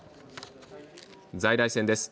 在来線です。